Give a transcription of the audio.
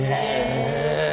へえ。